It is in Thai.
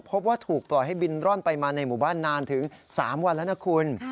พบว่าถูกปล่อยให้บินร่อนไปมาในหมู่บ้านนานถึง๓วันแล้วนะคุณ